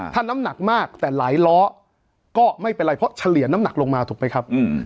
ถ้าน้ำหนักมากแต่หลายล้อก็ไม่เป็นไรเพราะเฉลี่ยน้ำหนักลงมาถูกไหมครับ